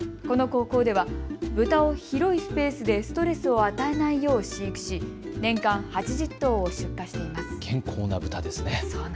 この高校では豚を広いスペースでストレスを与えないよう飼育し年間８０頭を出荷しています。